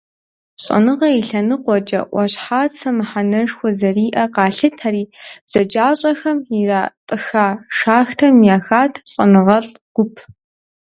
ЩӀэныгъэ и лъэныкъуэкӀэ Ӏуащхьацэ мыхьэнэшхуэ зэриӀэр къалъытэри, бзаджащӀэхэм иратӀыха шахтэм ехат щӀэныгъэлӀ гуп.